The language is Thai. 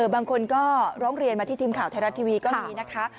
บางคนก็ร้องเรียนมาที่ทีมข่าวไทยรัฐทีวีก็มีนะคะ